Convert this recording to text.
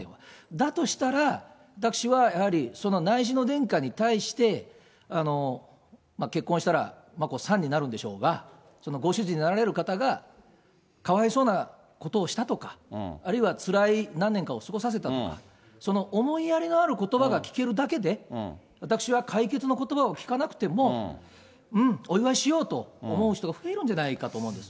だとしたら、私はやはりその内親王殿下に対して、結婚したら、眞子さんになるんでしょうが、ご主人になられる方が、かわいそうなことをしたとか、あるいはつらい何年間を過ごさせたとか、その思いやりがあることばが聞けるだけで、私は解決のことばを聞かなくても、うん、お祝いしようと思う人が増えるんじゃないかと思うんです。